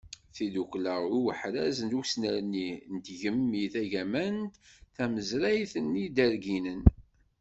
Tidukla i uḥraz d usnerni n tgemmi tagamant tamezrayt n Yiderginen.